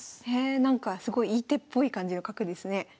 へえなんかすごいいい手っぽい感じの角ですね。